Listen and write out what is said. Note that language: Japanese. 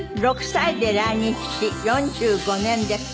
６歳で来日し４５年です。